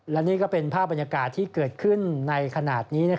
และนี่ก็เป็นภาพบรรยากาศที่เกิดขึ้นในขณะนี้